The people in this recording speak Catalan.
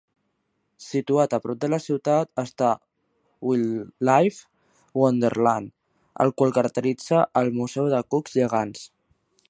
Situat a prop de la ciutat està "Wildlife Wonderland", el qual caracteritza el museu de cucs gegants.